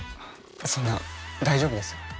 そんな大丈夫ですよ